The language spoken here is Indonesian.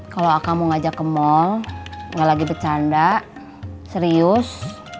kalau akang mau ngajak ke mal gak lagi bercanda serius